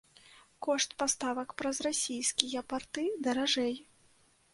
Кошт паставак праз расійскія парты даражэй.